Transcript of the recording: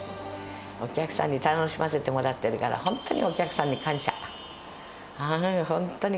お客さんに楽しませてもらってるから、本当にお客さんに感謝。